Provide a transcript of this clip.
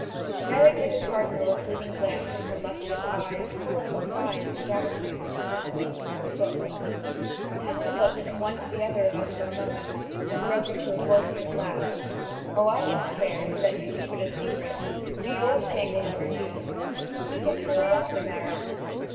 Mary gave the cardinal a fleeting glance from her lustrous eyes full of surprise and gratitude, and as speaking as a book. Henry looked from one to the other of us for a moment, and broke into a boisterous laugh. "Oh, I don't care, so that you keep it a secret. The old king will never know. We can hurry up the marriage.